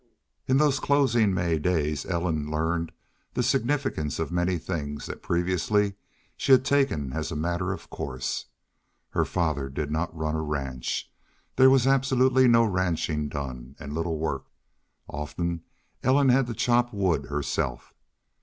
In those closing May days Ellen learned the significance of many things that previously she had taken as a matter of course. Her father did not run a ranch. There was absolutely no ranching done, and little work. Often Ellen had to chop wood herself.